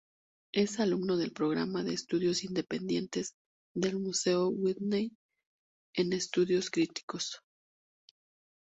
Es alumno del programa de estudios independientes del Museo Whitney en Estudios Críticos.